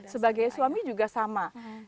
sebagai suami juga sama